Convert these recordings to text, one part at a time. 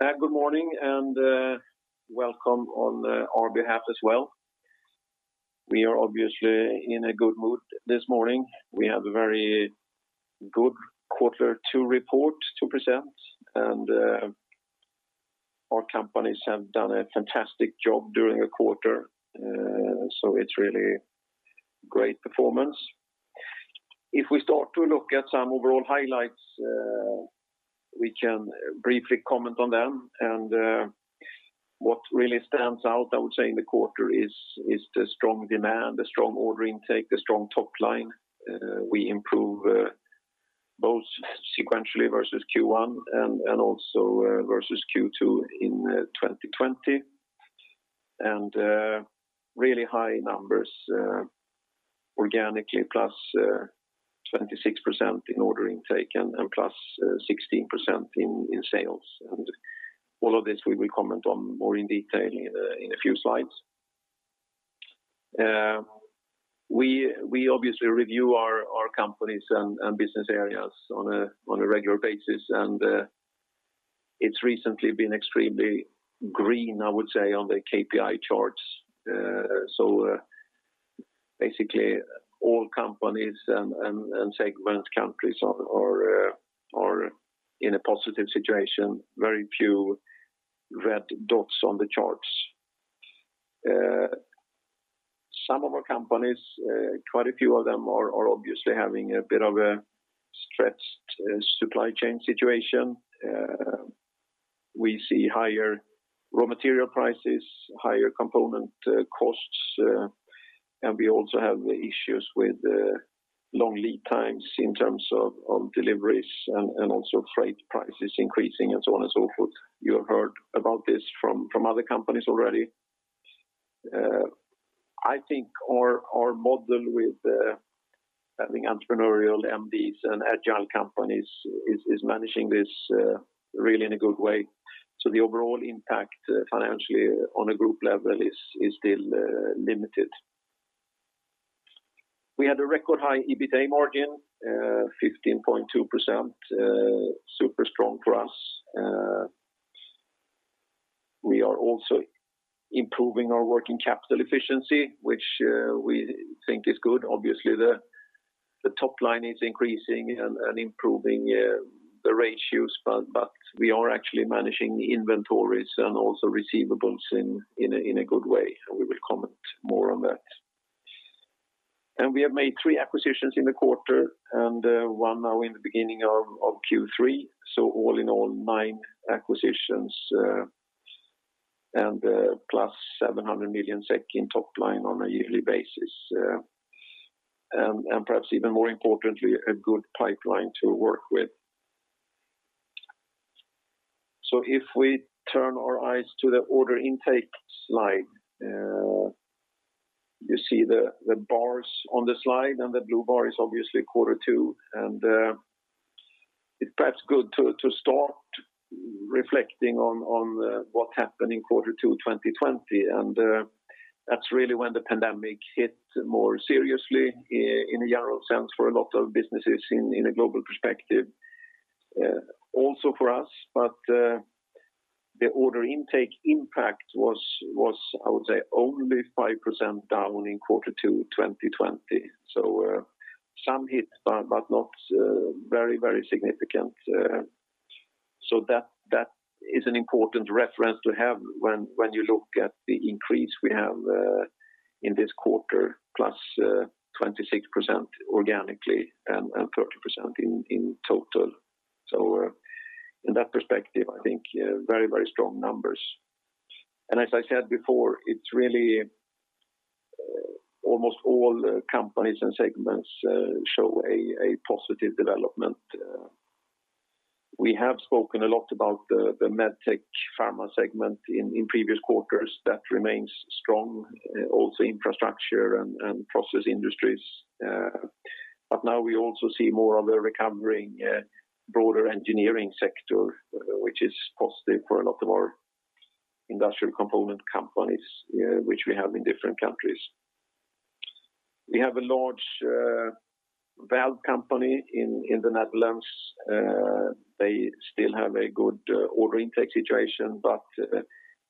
Good morning, welcome on our behalf as well. We are obviously in a good mood this morning. We have a very good quarter two report to present. Our companies have done a fantastic job during the quarter, so it's really great performance. If we start to look at some overall highlights, we can briefly comment on them. What really stands out, I would say, in the quarter is the strong demand, the strong order intake, the strong top line. We improve both sequentially versus Q1 and also versus Q2 in 2020. Really high numbers organically, +26% in order intake and +16% in sales. All of this we will comment on more in detail in a few slides. We obviously review our companies and business areas on a regular basis. It's recently been extremely green, I would say, on the KPI charts. Basically all companies and segment countries are in a positive situation, very few red dots on the charts. Some of our companies, quite a few of them are obviously having a bit of a stretched supply chain situation. We see higher raw material prices, higher component costs, and we also have issues with long lead times in terms of deliveries and also freight prices increasing and so on and so forth. You have heard about this from other companies already. I think our model with having entrepreneurial MDs and agile companies is managing this really in a good way. The overall impact financially on a group level is still limited. We had a record high EBITA margin, 15.2%, super strong for us. We are also improving our working capital efficiency, which we think is good. Obviously, the top line is increasing and improving the ratios, but we are actually managing the inventories and also receivables in a good way. We will comment more on that. We have made three acquisitions in the quarter and one now in the beginning of Q3. All in all, nine acquisitions, and plus 700 million SEK in top line on a yearly basis. Perhaps even more importantly, a good pipeline to work with. If we turn our eyes to the order intake slide. You see the bars on the slide, and the blue bar is obviously quarter two, and it's perhaps good to start reflecting on what happened in quarter two 2020. That's really when the pandemic hit more seriously in a general sense for a lot of businesses in a global perspective. Also for us, the order intake impact was, I would say, only 5% down in quarter two 2020. Some hits, but not very significant. That is an important reference to have when you look at the increase we have in this quarter, +26% organically and 30% in total. In that perspective, I think very strong numbers. As I said before, it's really almost all companies and segments show a positive development. We have spoken a lot about the MedTech pharma segment in previous quarters that remains strong. Also infrastructure and process industries. Now we also see more of a recovering broader engineering sector, which is positive for a lot of our industrial component companies which we have in different countries. We have a large valve company in the Netherlands. They still have a good order intake situation,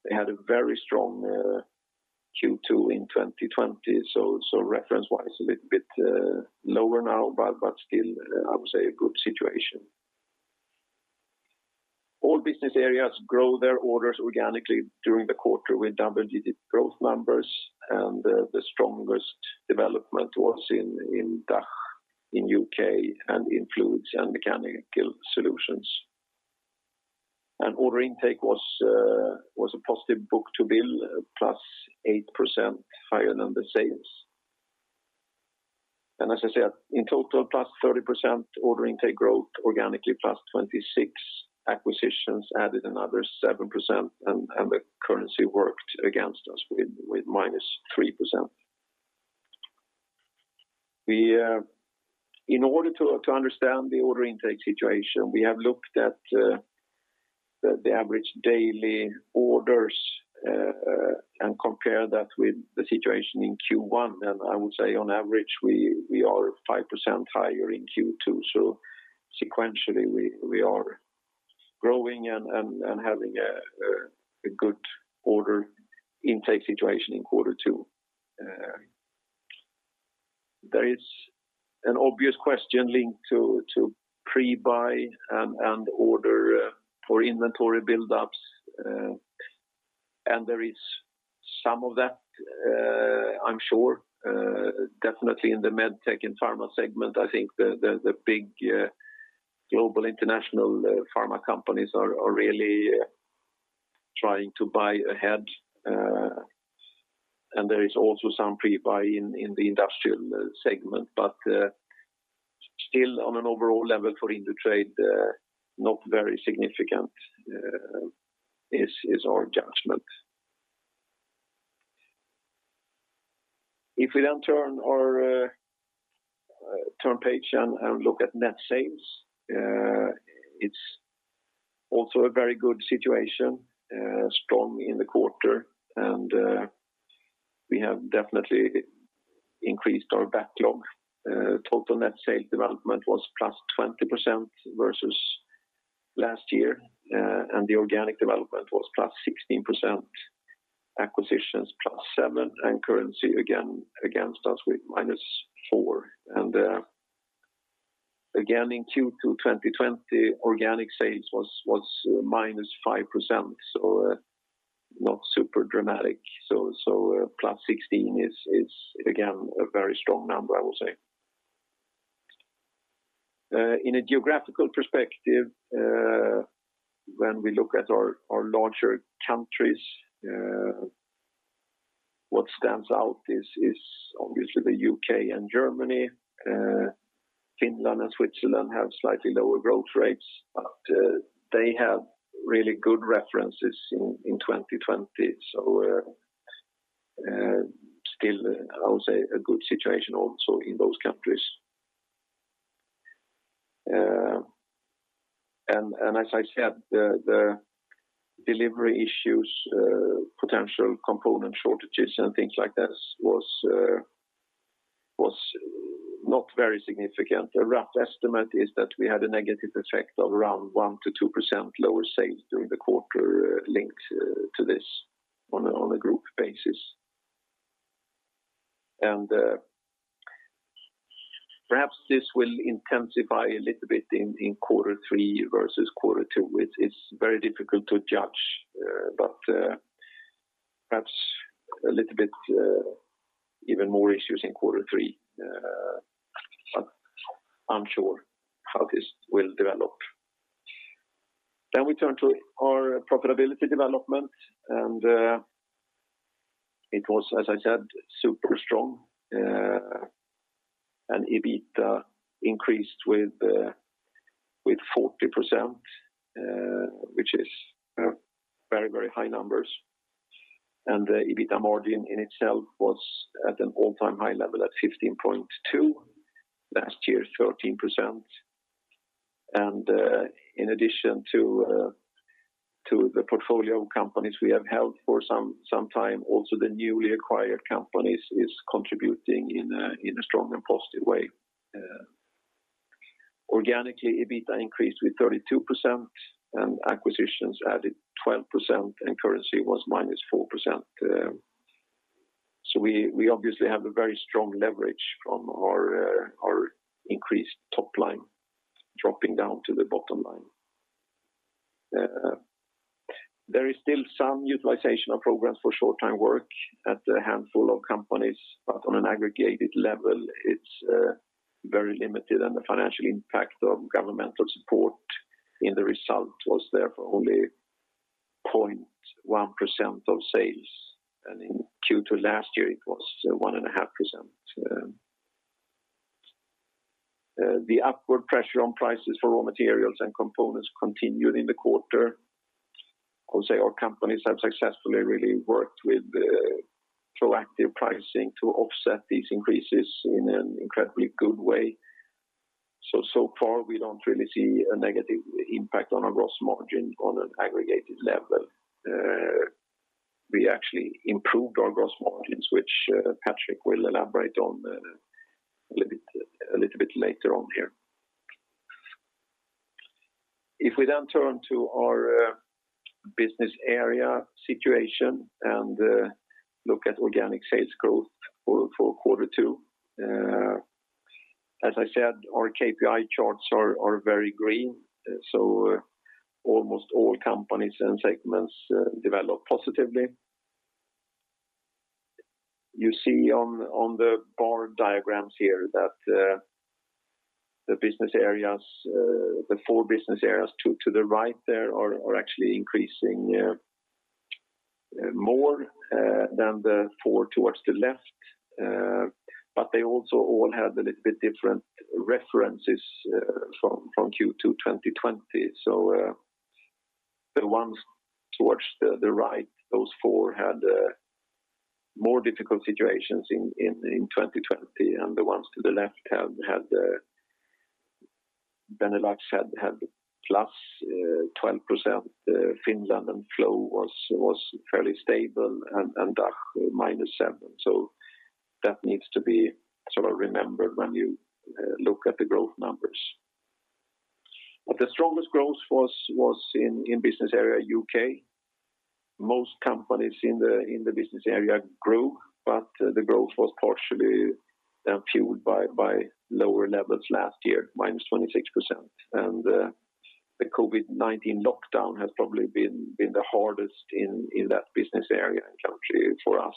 they had a very strong Q2 in 2020. Reference-wise, a little bit lower now, but still, I would say, a good situation. All business areas grow their orders organically during the quarter with double-digit growth numbers, and the strongest development was in DACH, in U.K., and in Fluids & Mechanical Solutions. Order intake was a positive book to bill, +8% higher than the sales. As I said, in total +30% order intake growth organically, +26% acquisitions added another +7%, and the currency worked against us with -3%. In order to understand the order intake situation, we have looked at the average daily orders and compare that with the situation in Q1. I would say on average we are 5% higher in Q2. Sequentially we are growing and having a good order intake situation in quarter two. There is an obvious question linked to pre-buy and order for inventory buildups. There is some of that, I'm sure. Definitely in the MedTech and pharma segment, I think the big global international pharma companies are really trying to buy ahead. There is also some pre-buy in the industrial segment. Still on an overall level for Indutrade, not very significant is our judgment. Turn page and look at net sales, it's also a very good situation, strong in the quarter, and we have definitely increased our backlog. Total net sales development was +20% versus last year, the organic development was +16%, acquisitions +7%, and currency against us with -4%. In Q2 2020, organic sales was -5%, not super dramatic. +16% is again, a very strong number, I will say. In a geographical perspective, when we look at our larger countries, what stands out is obviously the U.K. and Germany. Finland and Switzerland have slightly lower growth rates, but they have really good references in 2020. Still, I would say a good situation also in those countries. As I said, the delivery issues, potential component shortages and things like this was not very significant. A rough estimate is that we had a negative effect of around 1%-2% lower sales during the quarter linked to this on a group basis. Perhaps this will intensify a little bit in quarter three versus quarter two. It's very difficult to judge, but perhaps a little bit even more issues in quarter three. Unsure how this will develop. We turn to our profitability development. It was, as I said, super strong. EBITA increased with 40%, which is very high numbers. The EBITA margin in itself was at an all-time high level at 15.2%, last year 13%. In addition to the portfolio companies we have held for some time, also the newly acquired companies is contributing in a strong and positive way. Organically, EBITA increased with 32% and acquisitions added 12% and currency was minus 4%. We obviously have a very strong leverage from our increased top line dropping down to the bottom line. There is still some utilization of programs for short time work at a handful of companies, but on an aggregated level, it's very limited, and the financial impact of governmental support in the result was therefore only 0.1% of sales. In Q2 last year it was 1.5%. The upward pressure on prices for raw materials and components continued in the quarter. I would say our companies have successfully really worked with proactive pricing to offset these increases in an incredibly good way. So far we don't really see a negative impact on our gross margin on an aggregated level. We actually improved our gross margins, which Patrik will elaborate on a little bit later on here. If we turn to our business area situation and look at organic sales growth for quarter two. As I said, our KPI charts are very green. Almost all companies and segments develop positively. You see on the bar diagrams here that the four business areas to the right there are actually increasing more than the four towards the left. They also all had a little bit different references from Q2 2020. The ones towards the right, those four had more difficult situations in 2020, and the ones to the left, Benelux had +12%, Finland and Flow was fairly stable, and DACH -7%. The strongest growth was in business area U.K. Most companies in the business area grew, but the growth was partially fueled by lower levels last year, -26%. The COVID-19 lockdown has probably been the hardest in that business area and country for us,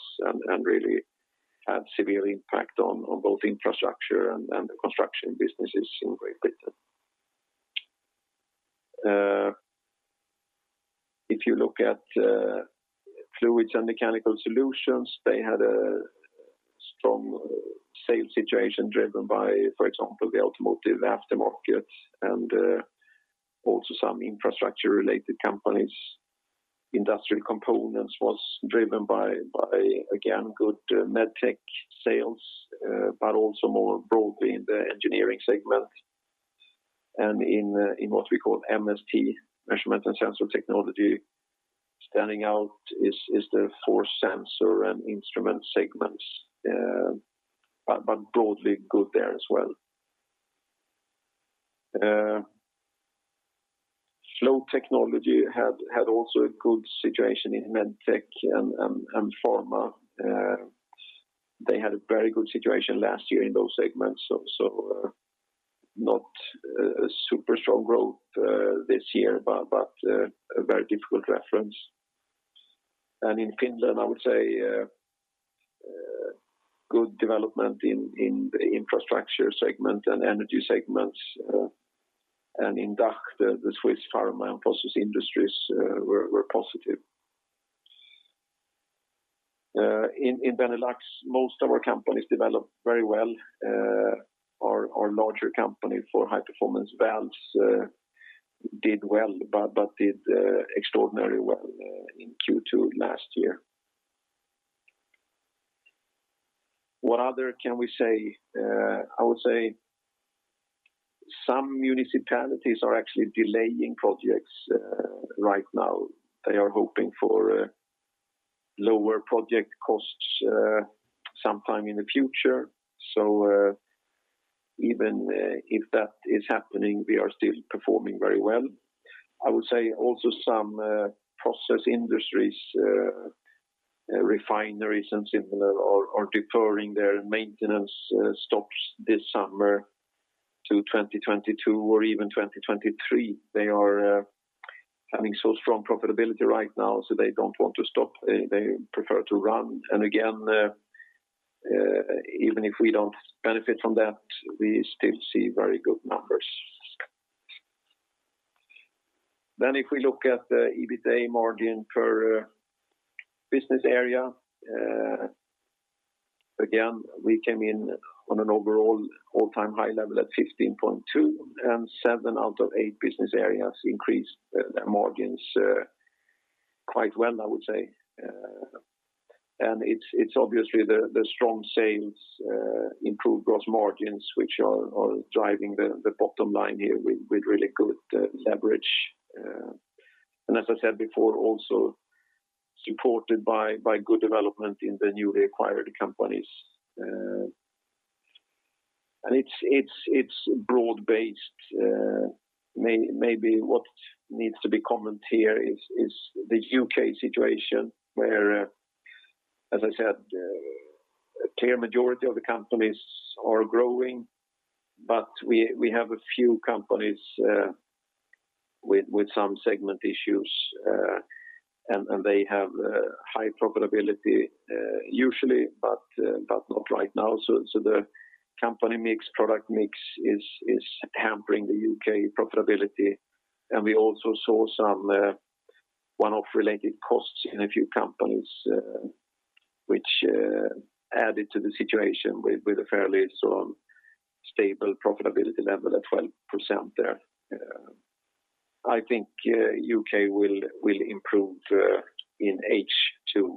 and really had severe impact on both infrastructure and the construction businesses in Great Britain. If you look at Fluids & Mechanical Solutions, they had a strong sales situation driven by, for example, the automotive aftermarket and also some infrastructure-related companies. Industrial Components was driven by, again, good MedTech sales, but also more broadly in the engineering segment. In what we call MST, Measurement and Sensor Technology, standing out is the force sensor and instrument segments, but broadly good there as well. Flow Technology had also a good situation in MedTech and pharma. They had a very good situation last year in those segments. Not a super strong growth this year, but a very difficult reference. In Finland, I would say good development in the infrastructure segment and energy segments. In DACH, the Swiss pharma and process industries were positive. In Benelux, most of our companies developed very well. Our larger company for high-performance valves did well, but did extraordinarily well in Q2 last year. What other can we say? I would say some municipalities are actually delaying projects right now. They are hoping for lower project costs sometime in the future. Even if that is happening, we are still performing very well. I would say also some process industries, refineries and similar, are deferring their maintenance stops this summer to 2022 or even 2023. They are having so strong profitability right now, so they don't want to stop. They prefer to run. Again, even if we don't benefit from that, we still see very good numbers. If we look at the EBITA margin per business area, again, we came in on an overall all-time high level at 15.2%, and seven out of eight business areas increased their margins quite well, I would say. It's obviously the strong sales improved gross margins, which are driving the bottom line here with really good leverage. As I said before, also supported by good development in the newly acquired companies. It's broad-based. Maybe what needs to be commented here is the U.K. situation, where, as I said, a clear majority of the companies are growing, but we have a few companies with some segment issues, and they have high profitability, usually, but not right now. The company mix, product mix is hampering the U.K. profitability, and we also saw some one-off related costs in a few companies, which added to the situation with a fairly strong, stable profitability level at 12% there. I think U.K. will improve in H2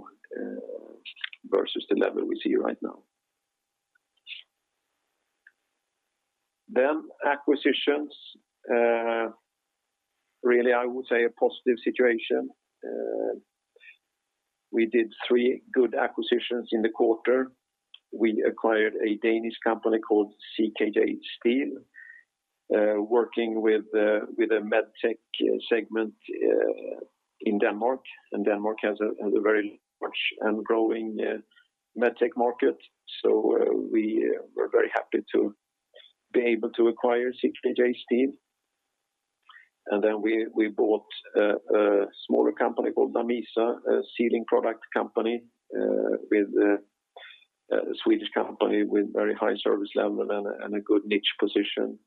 versus the level we see right now. Acquisitions, really, I would say a positive situation. We did 3 good acquisitions in the quarter. We acquired a Danish company called CKJ Steel, working with a MedTech segment in Denmark, and Denmark has a very large and growing MedTech market. We were very happy to be able to acquire CKJ Steel. We bought a smaller company called Lamisa, a sealing product company, a Swedish company with very high service level and a good niche position.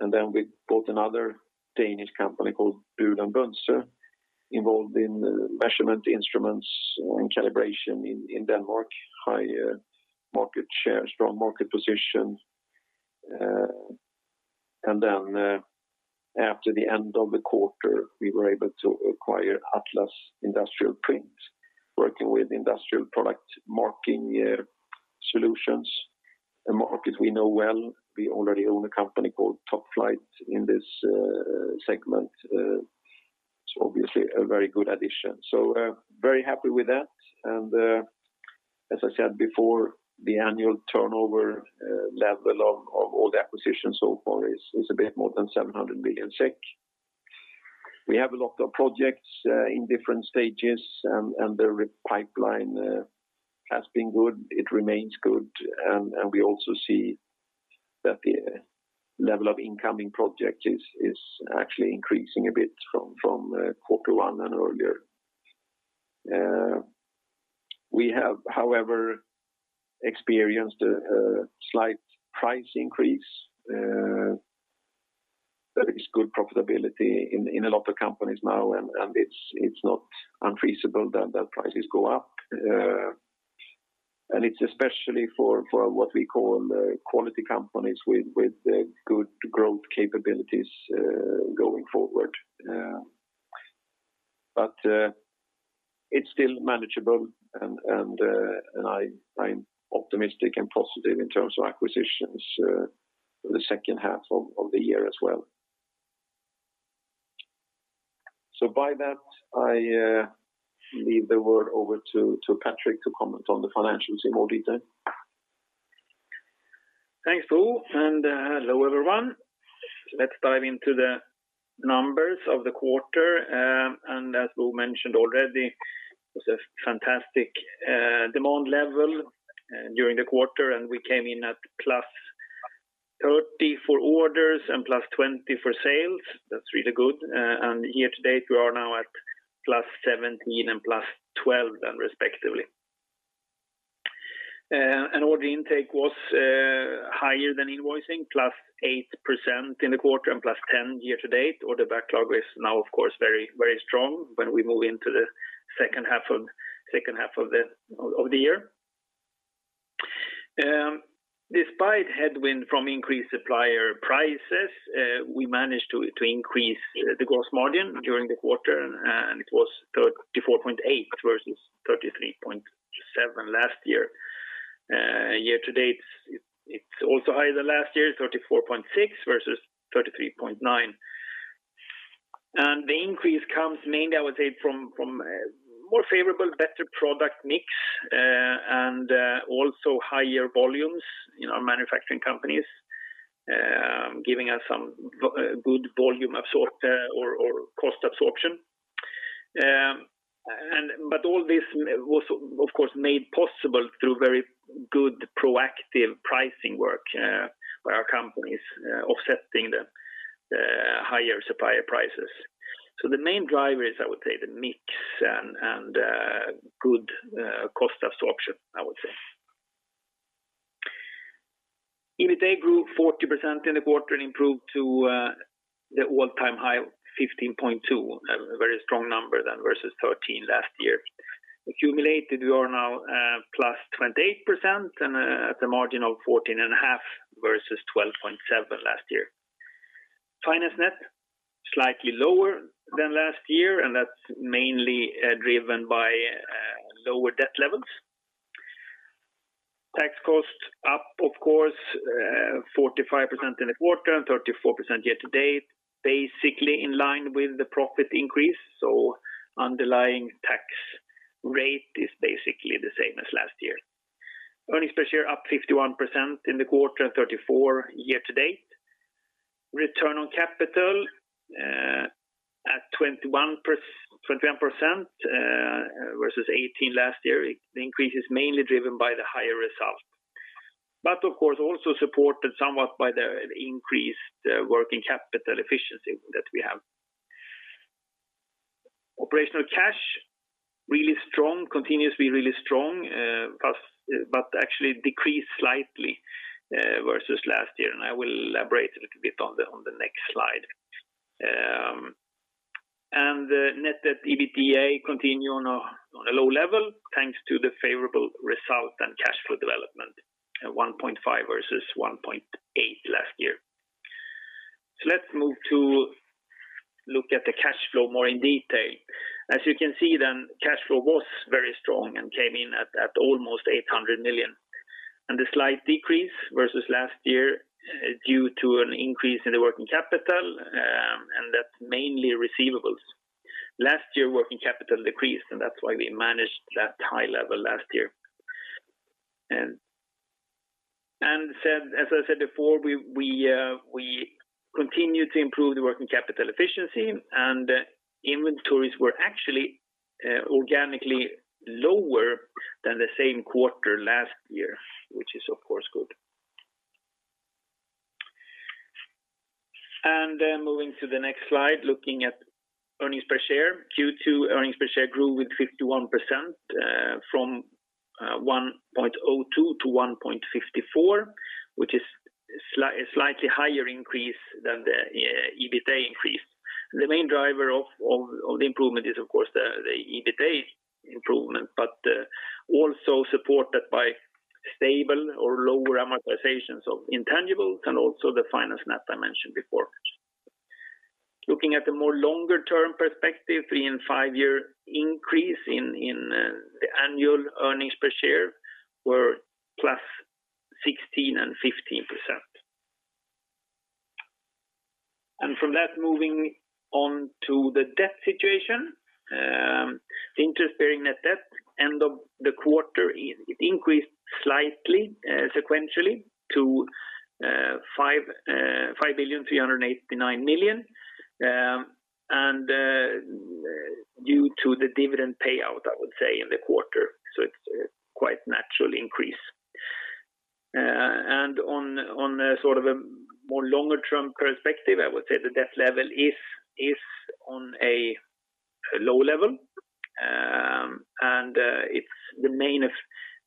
We bought another Danish company called Buhl & Bønsøe, involved in measurement instruments and calibration in Denmark. High market share, strong market position. After the end of the quarter, we were able to acquire Atlas Industrial Print, working with industrial product marking solutions. A market we know well. We already own a company called Topflight in this segment. It's obviously a very good addition. Very happy with that. As I said before, the annual turnover level of all the acquisitions so far is a bit more than 700 million SEK. We have a lot of projects in different stages, and the pipeline has been good. It remains good. We also see that the level of incoming project is actually increasing a bit from quarter one and earlier. We have, however, experienced a slight price increase that is good profitability in a lot of companies now, and it's not unfeasible that prices go up. It's especially for what we call quality companies with good growth capabilities going forward. It's still manageable and I'm optimistic and positive in terms of acquisitions for the second half of the year as well. By that, I leave the word over to Patrik to comment on the financials in more detail. Thanks, Bo, hello, everyone. Let's dive into the numbers of the quarter. As Bo mentioned already, it was a fantastic demand level during the quarter, and we came in at +30% for orders and +20% for sales. That's really good. Year to date, we are now at +17% and +12%, respectively. Order intake was higher than invoicing, +8% in the quarter and +10% year to date. Order backlog is now, of course, very strong when we move into the second half of the year. Despite headwind from increased supplier prices, we managed to increase the gross margin during the quarter, and it was 34.8% versus 33.7% last year. Year to date, it's also higher than last year, 34.6% versus 33.9%. The increase comes mainly, I would say, from more favorable, better product mix, and also higher volumes in our manufacturing companies, giving us some good volume or cost absorption. All this was, of course, made possible through very good proactive pricing work by our companies offsetting the higher supplier prices. The main driver is, I would say, the mix and good cost absorption, I would say. EBITA grew 40% in the quarter and improved to the all-time high of 15.2%, a very strong number than versus 13% last year. Accumulated, we are now +28% and at the margin of 14.5% versus 12.7% last year. Finance net, slightly lower than last year, and that's mainly driven by lower debt levels. Tax costs up, of course, 45% in the quarter and 34% year-to-date, basically in line with the profit increase. Underlying tax rate is basically the same as last year. Earnings per share up 51% in the quarter and 34% year to date. Return on capital at 21% versus 18% last year. The increase is mainly driven by the higher result, but of course also supported somewhat by the increased working capital efficiency that we have. Operational cash really strong, continues to be really strong, but actually decreased slightly versus last year, and I will elaborate a little bit on the next slide. Net debt/EBITA continue on a low level thanks to the favorable result and cash flow development at 1.5x versus 1.8x last year. Let's move to look at the cash flow more in detail. As you can see then, cash flow was very strong and came in at almost 800 million. The slight decrease versus last year due to an increase in the working capital, and that's mainly receivables. Last year, working capital decreased, and that's why we managed that high level last year. As I said before, we continue to improve the working capital efficiency and inventories were actually organically lower than the same quarter last year, which is, of course, good. Then moving to the next slide, looking at earnings per share. Q2 earnings per share grew with 51% from 1.02 to 1.54, which is a slightly higher increase than the EBITA increase. The main driver of the improvement is, of course, the EBITA improvement, but also supported by stable or lower amortizations of intangibles and also the finance net I mentioned before. Looking at the more longer-term perspective, three and five-year increase in the annual earnings per share were +16% and 15%. From that, moving on to the debt situation. The interest-bearing net debt end of the quarter increased slightly sequentially to SEK 5,389 million, and due to the dividend payout, I would say, in the quarter, so it's quite natural increase. On a more longer-term perspective, I would say the debt level is on a low level.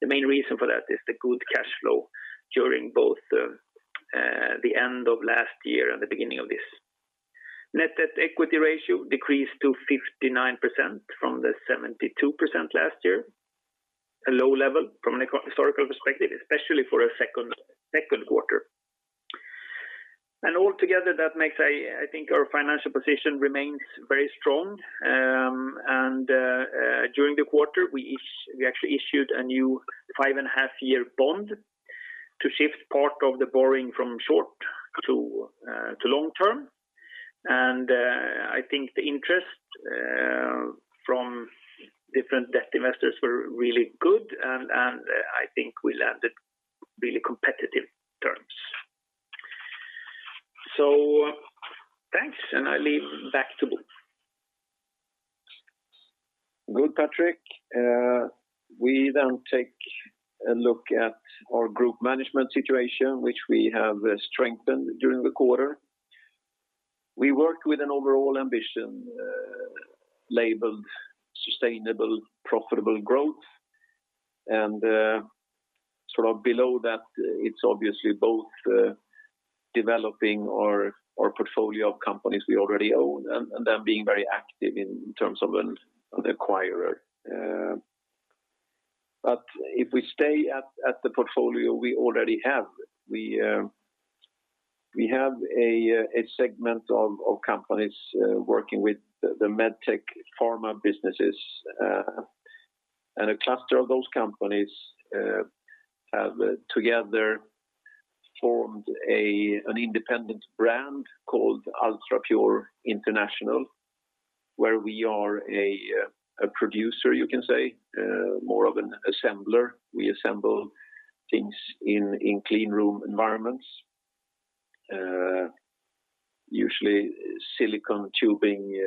The main reason for that is the good cash flow during both the end of last year and the beginning of this. Net debt equity ratio decreased to 59% from the 72% last year. A low level from a historical perspective, especially for a second quarter. Altogether, that makes our financial position remains very strong. During the quarter, we actually issued a new 5.5-year bond to shift part of the borrowing from short to long-term. I think the interest from different debt investors were really good, and I think we landed really competitive terms. Thanks, and I leave back to Bo. Good, Patrik. We take a look at our group management situation, which we have strengthened during the quarter. We work with an overall ambition labeled sustainable profitable growth and below that, it's obviously both developing our portfolio of companies we already own and then being very active in terms of an acquirer. If we stay at the portfolio we already have, we have a segment of companies working with the MedTech pharma businesses. A cluster of those companies have together formed an independent brand called UltraPure International, where we are a producer, you can say, more of an assembler. We assemble things in cleanroom environments, usually silicone tubing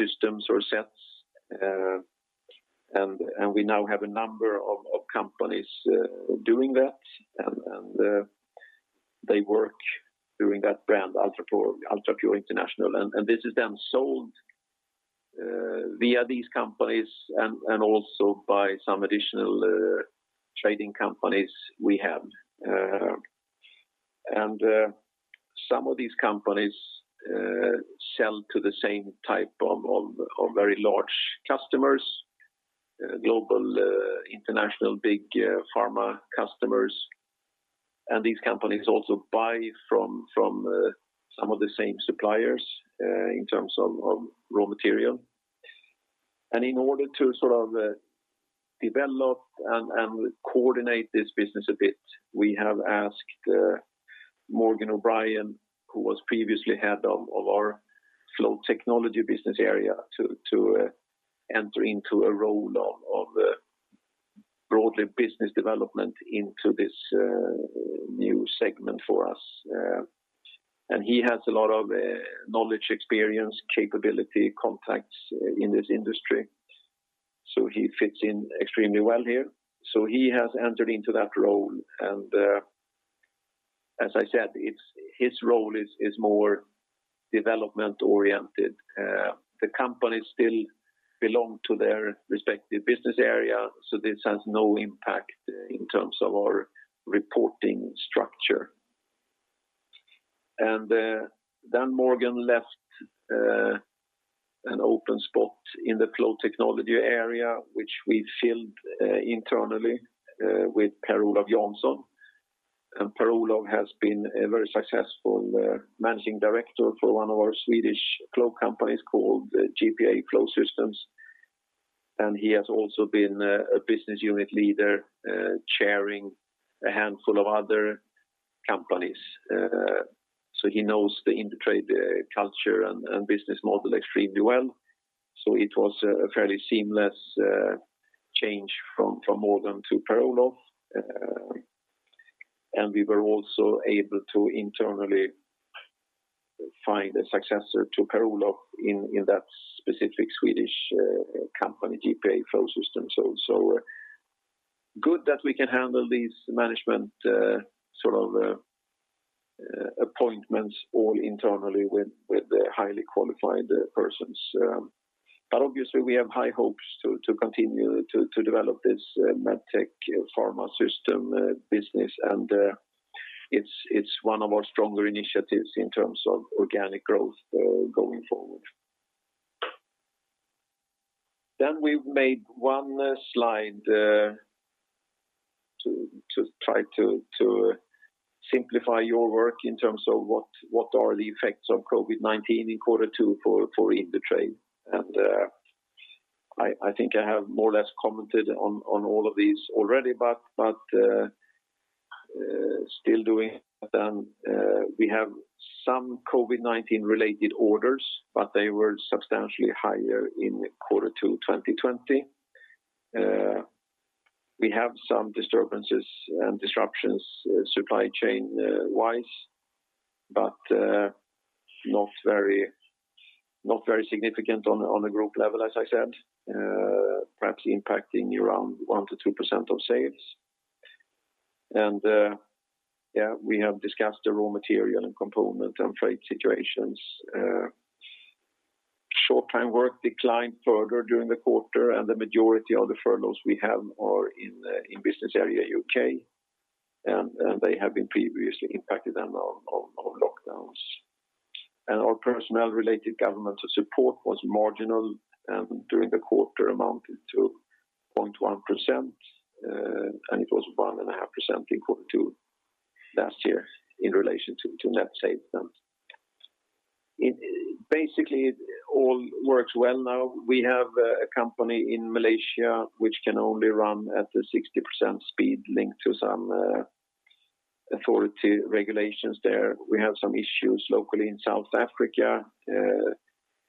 systems or sets. We now have a number of companies doing that. They work during that brand, UltraPure International. This is then sold via these companies and also by some additional trading companies we have. Some of these companies sell to the same type of very large customers, global international big pharma customers. These companies also buy from some of the same suppliers in terms of raw material. In order to develop and coordinate this business a bit, we have asked Morgan O'Brien, who was previously head of our Flow Technology business area, to enter into a role of broadly business development into this new segment for us. He has a lot of knowledge, experience, capability, contacts in this industry. He fits in extremely well here. He has entered into that role, and as I said, his role is more development oriented. The companies still belong to their respective business area, so this has no impact in terms of our reporting structure. Morgan left an open spot in the Flow Technology area, which we filled internally with Per-Olow Jansson. Per-Olow has been a very successful managing director for one of our Swedish flow companies called the GPA Flowsystems. He has also been a business unit leader chairing a handful of other companies. He knows the Indutrade culture and business model extremely well. It was a fairly seamless change from Morgan to Per-Olow. We were also able to internally find a successor to Per-Olow in that specific Swedish company, GPA Flowsystem also. Good that we can handle these management sort of appointments all internally with highly qualified persons. Obviously we have high hopes to continue to develop this MedTech pharma system business, and it's one of our stronger initiatives in terms of organic growth going forward. We've made one slide to try to simplify your work in terms of what are the effects of COVID-19 in quarter two for Indutrade. I think I have more or less commented on all of these already, but still doing them. We have some COVID-19 related orders, but they were substantially higher in quarter two 2020. We have some disturbances and disruptions supply chain-wise, but not very significant on the group level, as I said, perhaps impacting around 1%-2% of sales. We have discussed the raw material and component and freight situations. Short-time work declined further during the quarter, and the majority of the furloughs we have are in business area U.K. and they have been previously impacted on lockdowns. Our personnel-related governmental support was marginal and during the quarter amounted to 0.1%, and it was 1.5% in Q2 last year in relation to net sales. Basically, it all works well now. We have a company in Malaysia which can only run at 60% speed linked to some authority regulations there. We have some issues locally in South Africa.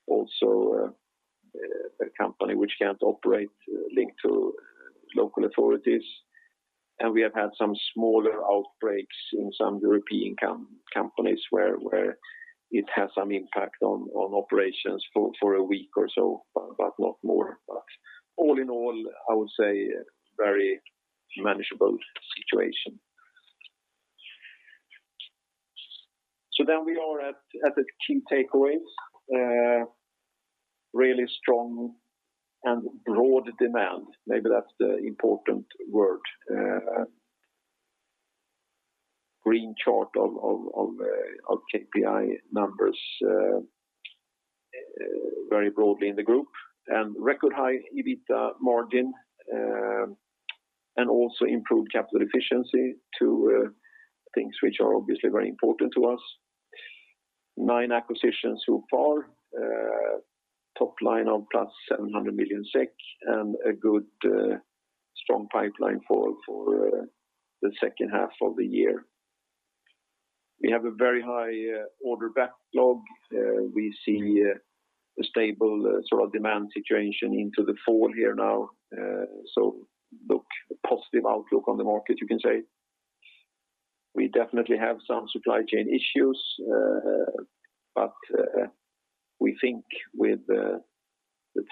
Also a company which can't operate linked to local authorities. We have had some smaller outbreaks in some European companies where it has some impact on operations for a week or so, but not more. All in all, I would say very manageable situation. We are at the key takeaways. Really strong and broad demand. Maybe that's the important word. Green chart of KPI numbers very broadly in the group, and record high EBITA margin, and also improved capital efficiency to things which are obviously very important to us. Nine acquisitions so far. Top line of plus 700 million SEK and a good, strong pipeline for the second half of the year. We have a very high order backlog. We see a stable demand situation into the fall here now. Positive outlook on the market, you can say. We definitely have some supply chain issues, but we think with the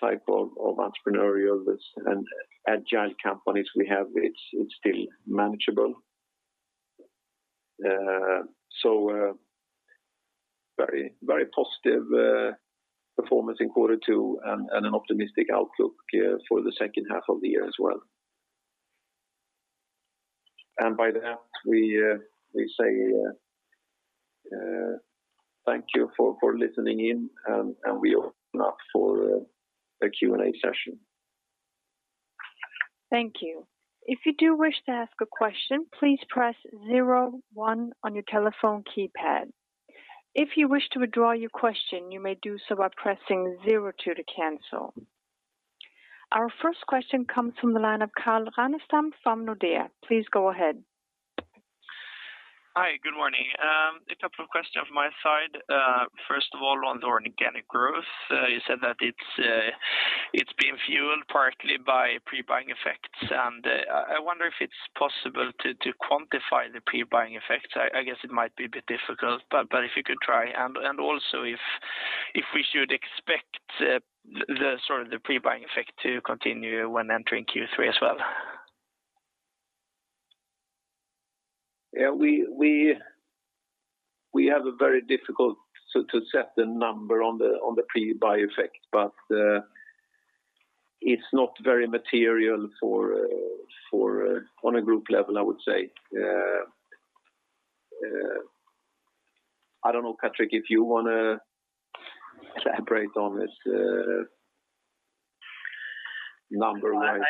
type of entrepreneurial and agile companies we have, it's still manageable. Very positive performance in quarter two and an optimistic outlook for the second half of the year as well. By that, we say thank you for listening in, and we open up for a Q&A session. Thank you. If you do wish to ask a question, please press zero one on your telephone keypad. If you wish to withdraw your question, you may do so by pressing zero two to cancel. Our first question comes from the line of Carl Ragnerstam from Nordea. Please go ahead. Hi, good morning. A couple of questions from my side. First of all, on the organic growth, you said that it's been fueled partly by pre-buying effects. I wonder if it's possible to quantify the pre-buying effects. I guess it might be a bit difficult, but if you could try. Also, if we should expect the pre-buying effect to continue when entering Q3 as well. We have a very difficult to set the number on the pre-buy effect, but it's not very material on a group level, I would say. I don't know, Patrik, if you want to elaborate on this number-wise?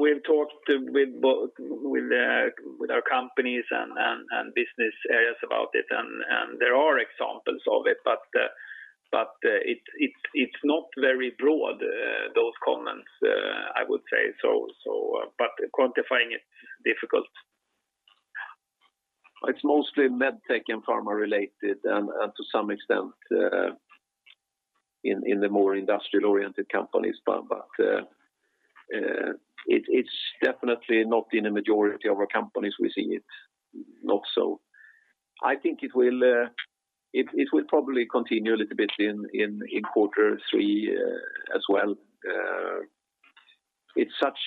We've talked with our companies and business areas about it, and there are examples of it, but it's not very broad, those comments, I would say. Quantifying it, difficult. It's mostly MedTech and pharma related, and to some extent in the more industrial-oriented companies. It's definitely not in a majority of our companies we see it, not so. I think it will probably continue a little bit in quarter three as well. It's such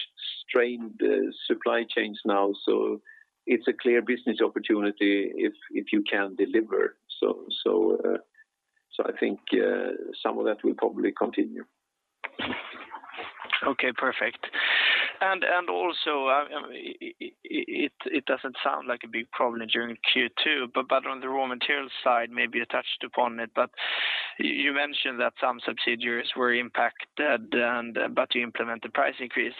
strained supply chains now, so it's a clear business opportunity if you can deliver. I think some of that will probably continue. Okay, perfect. Also, it doesn't sound like a big problem during Q2, but on the raw material side, maybe attached upon it, but you mentioned that some subsidiaries were impacted, but you implement the price increases.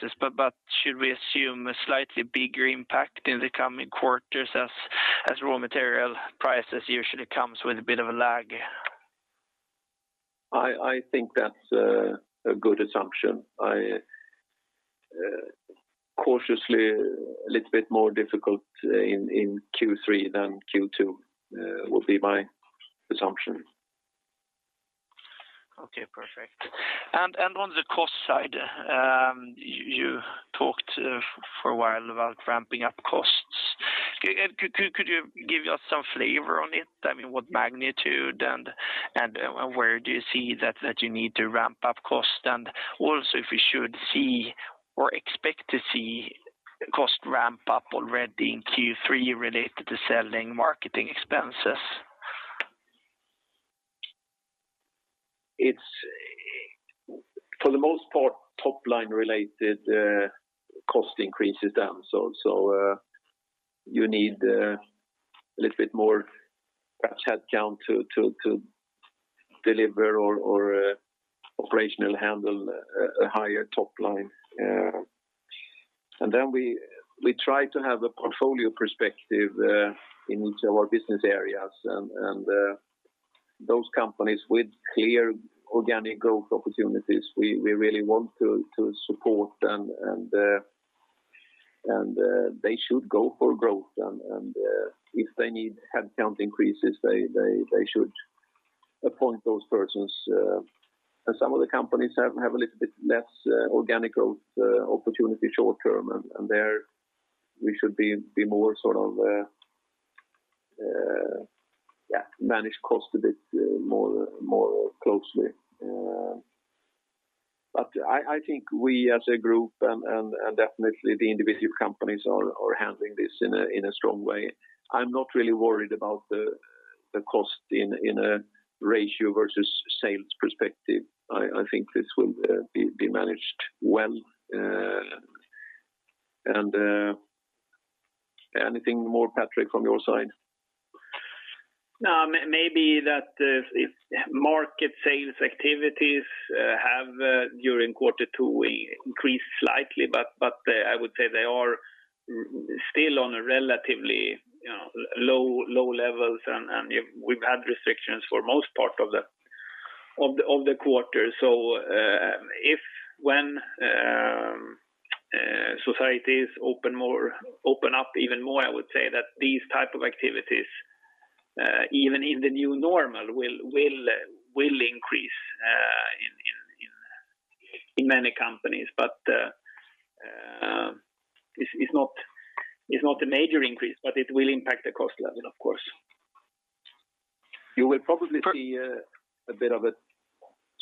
Should we assume a slightly bigger impact in the coming quarters as raw material prices usually comes with a bit of a lag? I think that's a good assumption. Cautiously, a little bit more difficult in Q3 than Q2 will be my assumption. Okay, perfect. On the cost side, you talked for a while about ramping up costs. Could you give us some flavor on it? What magnitude and where do you see that you need to ramp up cost? Also if we should see or expect to see cost ramp up already in Q3 related to selling marketing expenses? It's for the most part top-line related cost increases down. You need a little bit more headcount to deliver or operationally handle a higher top line. We try to have a portfolio perspective in each of our business areas and those companies with clear organic growth opportunities, we really want to support them and they should go for growth. If they need headcount increases they should appoint those persons. Some of the companies have a little bit less organic growth opportunity short-term, and there we should manage cost a bit more closely. I think we as a group and definitely the individual companies are handling this in a strong way. I'm not really worried about the cost in a ratio versus sales perspective. I think this will be managed well. Anything more, Patrik, from your side? No, maybe that if market sales activities have, during quarter two, increased slightly, but I would say they are still on a relatively low levels, and we've had restrictions for most part of the quarter. If, when societies open up even more, I would say that these type of activities even in the new normal will increase in many companies. It's not a major increase, but it will impact the cost level, of course. You will probably see a bit of a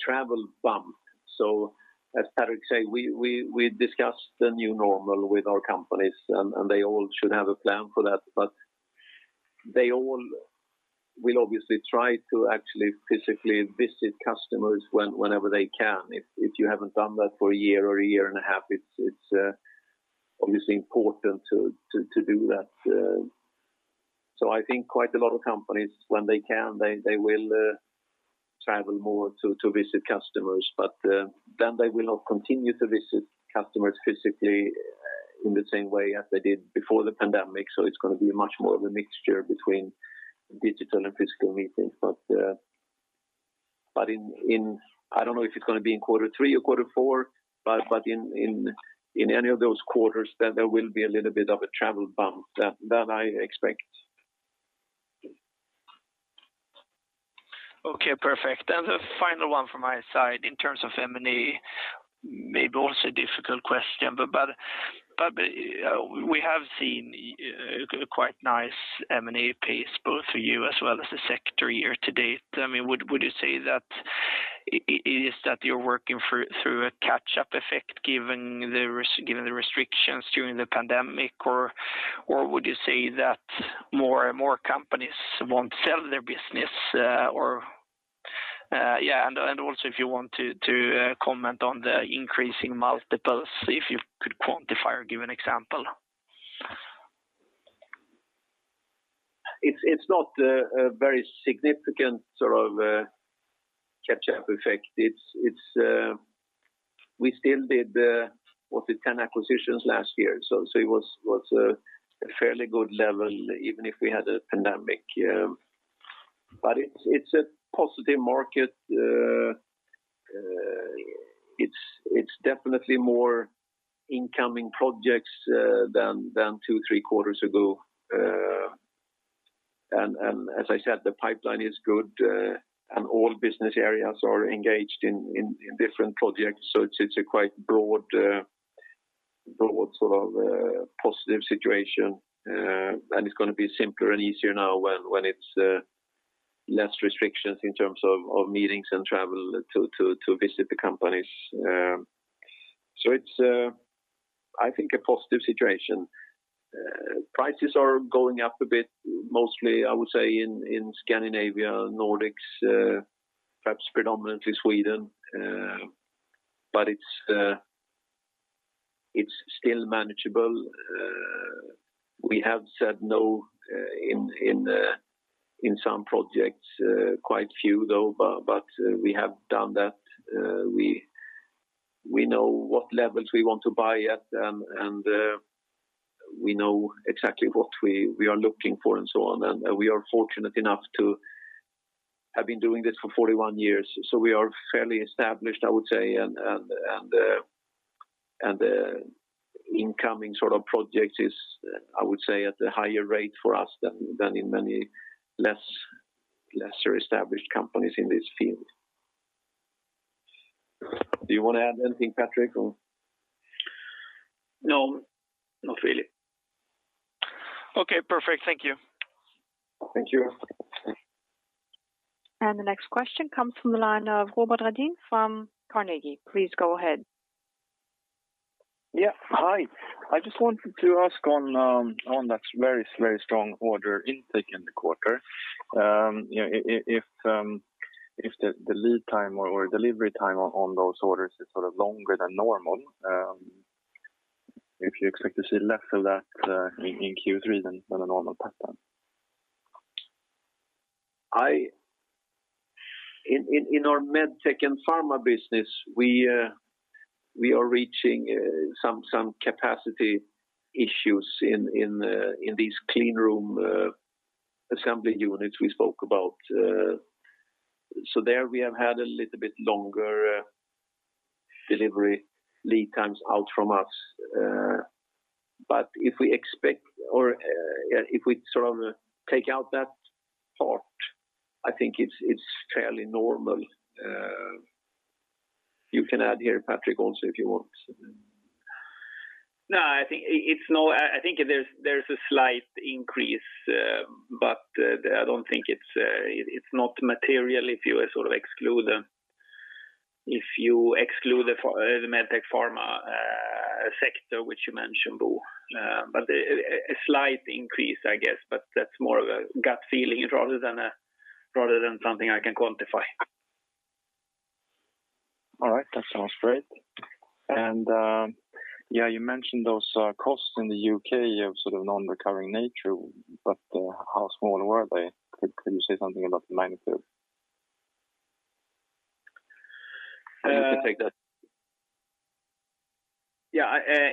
travel bump. As Patrik says, we discussed the new normal with our companies, and they all should have a plan for that. They all will obviously try to actually physically visit customers whenever they can. If you haven't done that for a year or a year and a half, it's obviously important to do that. I think quite a lot of companies, when they can, they will travel more to visit customers. They will not continue to visit customers physically in the same way as they did before the pandemic. It's going to be much more of a mixture between digital and physical meetings. I don't know if it's going to be in quarter three or quarter four, but in any of those quarters there will be a little bit of a travel bump that I expect. Okay, perfect. The final one from my side in terms of M&A, maybe also a difficult question, but we have seen quite nice M&A pace both for you as well as the sector year to date. Would you say that it is that you're working through a catch-up effect given the restrictions during the pandemic, or would you say that more companies won't sell their business? Also if you want to comment on the increasing multiples, if you could quantify or give an example. It's not a very significant sort of catch-up effect. We still did what, 10 acquisitions last year. It was a fairly good level, even if we had a pandemic. It's a positive market. It's definitely more incoming projects than two, three quarters ago. As I said, the pipeline is good. All business areas are engaged in different projects. It's a quite broad sort of positive situation. It's going to be simpler and easier now when it's less restrictions in terms of meetings and travel to visit the companies. It's, I think, a positive situation. Prices are going up a bit, mostly I would say in Scandinavia, Nordics, perhaps predominantly Sweden, but it's still manageable. We have said no in some projects, quite few though, but we have done that. We know what levels we want to buy at, and we know exactly what we are looking for and so on. We are fortunate enough to have been doing this for 41 years, so we are fairly established, I would say, and the incoming sort of projects is, I would say, at a higher rate for us than in many lesser established companies in this field. Do you want to add anything, Patrik, or? No. Not really. Okay, perfect. Thank you. Thank you. The next question comes from the line of Robert Redin from Carnegie. Please go ahead. Yeah. Hi. I just wanted to ask on that very strong order intake in the quarter. If the lead time or delivery time on those orders is sort of longer than normal, if you expect to see less of that in Q3 than a normal pattern? In our MedTech and pharma business, we are reaching some capacity issues in these cleanroom assembly units we spoke about. There we have had a little bit longer delivery lead times out from us. If we expect or if we sort of take out that part, I think it's fairly normal. You can add here, Patrik, also, if you want. I think there's a slight increase, but I don't think it's not material if you exclude the MedTech pharma sector, which you mentioned, Bo. A slight increase, I guess, but that's more of a gut feeling rather than something I can quantify. All right. That sounds great. You mentioned those costs in the U.K. of sort of non-recurring nature, but how small were they? Could you say something about the magnitude? You'll to take that? Yeah.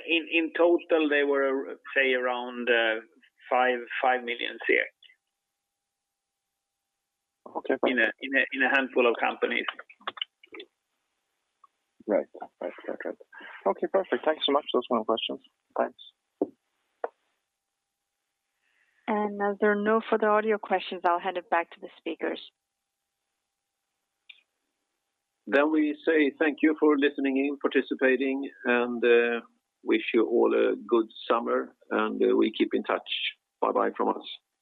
In total, they were, say, around 5 million. Okay. In a handful of companies. Right. Okay, perfect. Thanks so much. That's my questions. Thanks. As there are no further audio questions, I'll hand it back to the speakers. We say thank you for listening in, participating, and wish you all a good summer, and we keep in touch. Bye-bye from us.